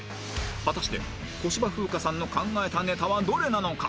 果たして小芝風花さんの考えたネタはどれなのか？